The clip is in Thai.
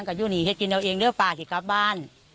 ก็อยู่นี่ให้กินเอาเองเดี๋ยวป่าสิกลับบ้าน